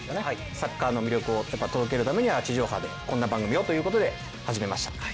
サッカーの魅力を届けるためには地上波で、こんな番組をということで始めました。